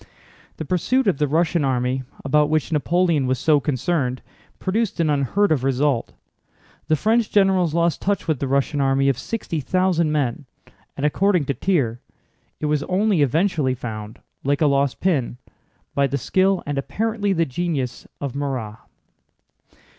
The pursuit of the Russian army, about which Napoleon was so concerned, produced an unheard of result. The French generals lost touch with the Russian army of sixty thousand men, and according to Thiers it was only eventually found, like a lost pin, by the skill—and apparently the genius—of Murat.